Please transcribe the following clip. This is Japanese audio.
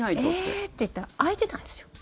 えーって言ったら開いてたんですよ。